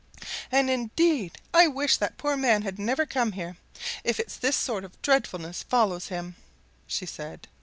"And indeed I wish that poor man had never come here, if it's this sort of dreadfulness follows him!" she said.